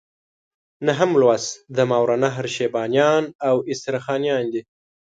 نهم لوست د ماوراء النهر شیبانیان او استرخانیان دي.